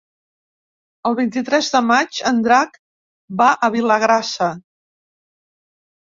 El vint-i-tres de maig en Drac va a Vilagrassa.